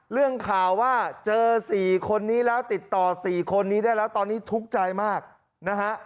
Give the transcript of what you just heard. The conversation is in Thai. เรื่องข่าวว่าเจอ๔คนนี้แล้วติดต่อ๔คนนี้ได้แล้วตอนนี้ทุกข์ใจมากนะฮะ